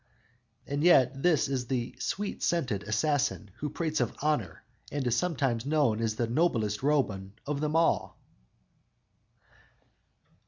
"_ And yet this is the sweet scented assassin who prates of "honor," and is sometimes known as "the noblest Roman of them all!"